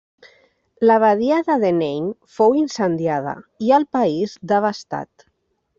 L'abadia de Denain fou incendiada i el país devastat.